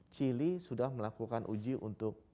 chile sudah melakukan uji untuk